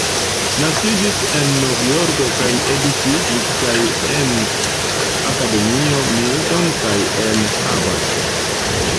Naskiĝis en Novjorko kaj edukiĝis kaj en Akademio Milton kaj en Harvard.